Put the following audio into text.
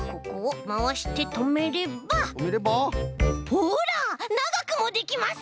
ほらながくもできます！